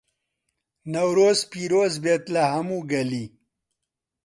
نەورۆز پیرۆزبێت لە هەموو گەلی